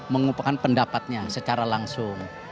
mengumpulkan pendapatnya secara langsung